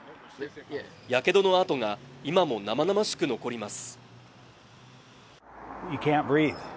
やけどの跡が今も生々しく残ります